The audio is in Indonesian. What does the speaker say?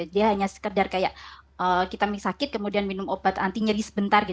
dia hanya sekedar kayak kita sakit kemudian minum obat anti nyeri sebentar